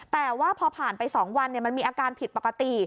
แต่ว่าพอผ่านไป๒วันมันมีอาการผิดปกติ